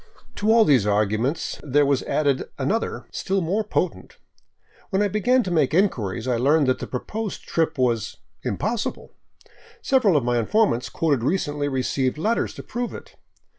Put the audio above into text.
To all these arguments there was added another still more potent. When I began to make inquiries, I learned that the proposed trip was " impossible." Several of my informants quoted recently received letters to prove it.